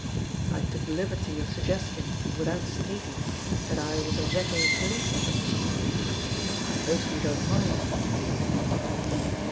I took the liberty of suggesting, without stating, that I was a regular police officer. I hope you don't mind."